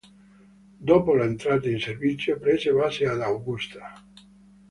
Dopo l'entrata in servizio prese base ad Augusta.